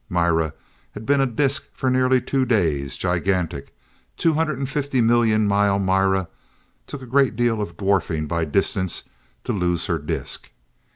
Mira had been a disc for nearly two days, gigantic, two hundred and fifty million mile Mira took a great deal of dwarfing by distance to lose her disc.